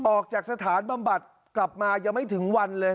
ออกจากสถานบำบัดกลับมายังไม่ถึงวันเลย